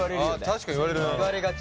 確かに言われる。